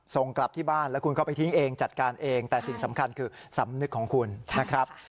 ส่งกลับที่บ้านแล้วคุณก็ไปทิ้งเองจัดการเองแต่สิ่งสำคัญคือสำนึกของคุณนะครับ